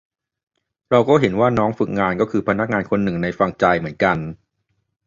เราเห็นว่าน้องฝึกงานก็คือพนักงานคนหนึ่งในฟังใจเหมือนกัน